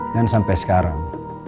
dan sampai sekarang